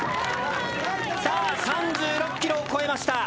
さあ３６ｋｍを越えました。